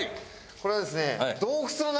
これはですね。